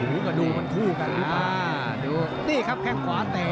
กระดูกมันคู่กันอ่าดูนี่ครับแค่งขวาเตะ